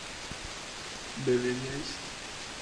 ¿beberíais?